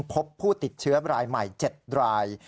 พบผู้ติดเชื้อรายใหม่๗ราย